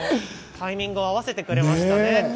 タイミングを合わせてくれました。